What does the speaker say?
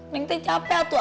neng itu capek tuh